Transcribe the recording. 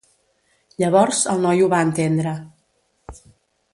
Llavors el noi ho va entendre.